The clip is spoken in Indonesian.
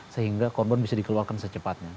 sehingga korban bisa dikeluarkan secepatnya